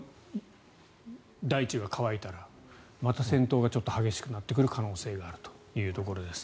大地が乾いたらまた戦闘が激しくなってくる可能性があるというところです。